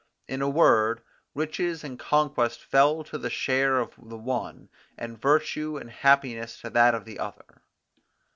In a word, riches and conquest fell to the share of the one, and virtue and happiness to that of the other.